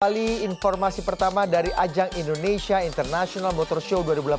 kali informasi pertama dari ajang indonesia international motor show dua ribu delapan belas